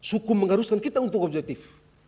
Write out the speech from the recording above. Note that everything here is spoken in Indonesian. hukum mengharuskan kita untuk objektif